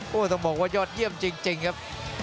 โอ้โหต้องบอกว่ายอดเยี่ยมจริงครับ